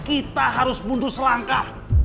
kita harus mundur selangkah